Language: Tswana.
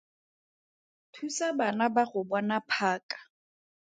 Thusa bana ba go bona phaka.